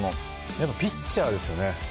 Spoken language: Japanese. やっぱピッチャーですよね。